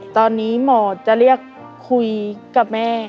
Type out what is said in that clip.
ตอนนี้หมอจะเรียกคุยกับแม่